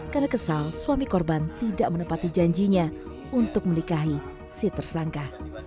karena kesal suami korban tidak menepati janjinya untuk menikahi si tersangka